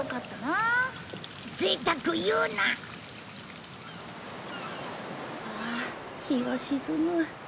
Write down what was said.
ああ日が沈む。